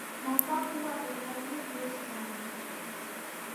Марпа кува эрла йӱр лиеш мане.